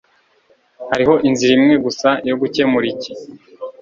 hariho inzira imwe gusa yo gukemura iki